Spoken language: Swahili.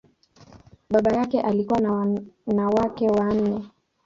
Baba yake alikuwa na wake wanne.